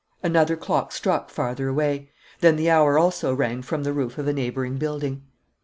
Another clock struck, farther away. Then the hour also rang from the roof of a neighbouring building.